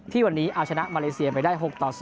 ที่วันนี้อาชนะมาเลเซียไปได้๖๒